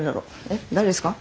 えっ誰ですか？